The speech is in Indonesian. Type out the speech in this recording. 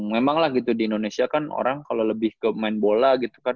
memang lah gitu di indonesia kan orang kalau lebih ke main bola gitu kan